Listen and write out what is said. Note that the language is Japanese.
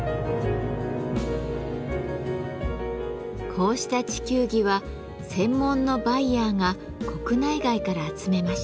こうした地球儀は専門のバイヤーが国内外から集めました。